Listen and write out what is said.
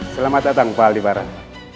selamat datang pak aldi barat